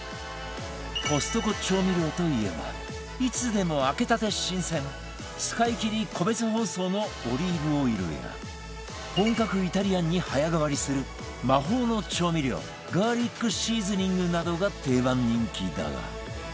コストコ調味料といえばいつでも開けたて新鮮使いきり個別包装のオリーブオイルや本格イタリアンに早変わりする魔法の調味料ガーリックシーズニングなどが定番人気だが